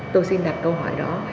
tôi xin đặt câu hỏi đó